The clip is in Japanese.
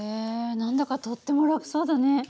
何だかとっても楽そうだね。